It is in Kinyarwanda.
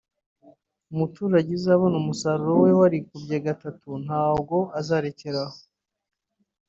umuturage uzaba ubona umusaruro we warikubye gatatu ntago azarekera aho